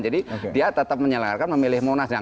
jadi dia tetap menyalahkan memilih monas